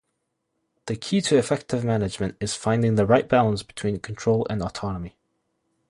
The key to effective management is finding the right balance between control and autonomy.